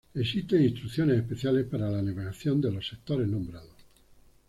Existen instrucciones especiales para la navegación de los sectores nombrados.